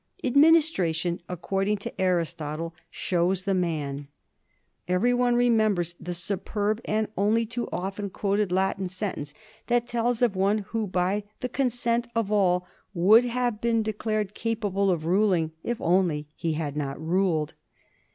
"Administration," according to Aristotle, *' shows the man." Every one remembers the superb and only too often quoted Latin sentence which tells of one who by the consent of all would have been declared capable 1745. THE CHESTERFIELD OF DUBLIN CASTLE. 247 of ruling if only he had not ruled.